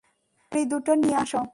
দড়ি দুটো নিয়ে আসো।